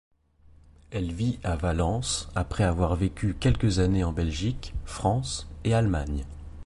Elle vit à Valence, après avoir vécu quelques années en Belgique, France et Allemagne.